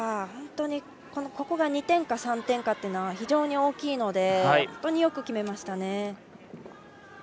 本当に、ここが２点か３点かというのは非常に大きいので本当によく決めましたね。